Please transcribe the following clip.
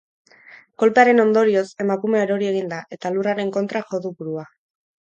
Kolpearen ondorioz, emakumea erori egin da eta lurraren kontra jo du burua.